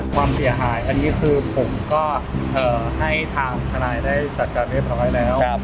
ความเสียหายอันนี้คือผมก็ให้ทางทนายได้จัดการเรียบร้อยแล้ว